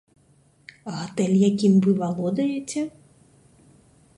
Гатэль, якім вы валодаеце?